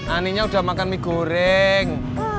aninya udah makan mie goreng